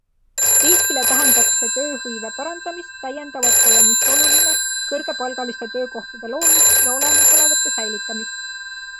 Eestile tähendaks see tööhõive parandamist, täiendavate - ja mis oluline - kõrgepalgaliste töökohtade loomist ja olemasolevate säilitamist.